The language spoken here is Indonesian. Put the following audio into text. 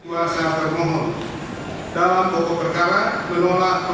hakim menyatakan bahwa penerbitan sprindik penetapan tersangka